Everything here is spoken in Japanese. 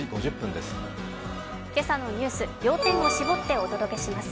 今朝のニュース、要点を絞ってお届けします。